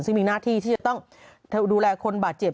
ซึ่งมีหน้าที่ที่จะต้องดูแลคนบาดเจ็บ